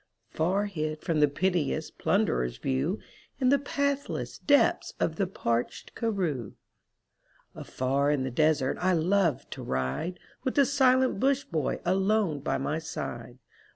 Far hid from the pitiless plunderer's view In the pathless depths of the parched karroo. Afar in the desert I love to ride. With the silent Bush boy alone by my side.